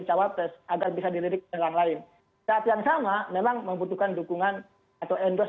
cawapres agar bisa dilirik dengan lain saat yang sama memang membutuhkan dukungan atau endorse